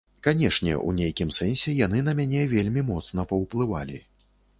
Канешне, у нейкім сэнсе яны на мяне вельмі моцна паўплывалі.